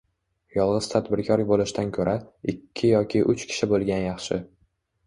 Yolgʻiz tadbirkor boʻlishdan koʻra, ikki yoki uch kishi boʻlgani yaxshi.